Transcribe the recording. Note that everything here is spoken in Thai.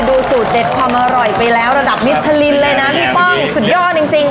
ดูสูตรเด็ดความอร่อยไปแล้วระดับมิชลินเลยนะพี่ป้องสุดยอดจริง